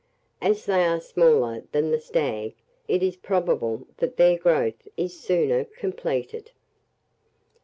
As they are smaller than the stag, it is probable that their growth is sooner completed.